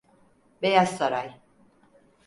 Beyaz Saray.